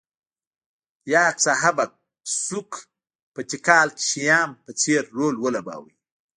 یاکس اهب اکسوک په تیکال کې شیام په څېر رول ولوباوه